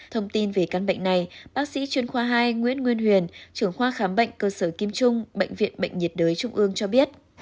thông tin về căn bệnh này bác sĩ chuyên khoa hai nguyễn nguyên huyền trưởng khoa khám bệnh cơ sở kim trung bệnh viện bệnh nhiệt đới trung ương cho biết